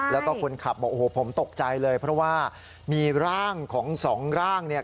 แล้วก็คนขับบอกโอ้โหผมตกใจเลยเพราะว่ามีร่างของสองร่างเนี่ย